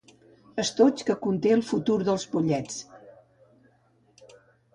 Estoig que conté el futur dels pollets.